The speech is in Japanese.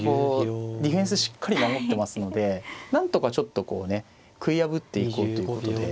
ディフェンスしっかり守ってますのでなんとかちょっとこうね食い破っていこうということで。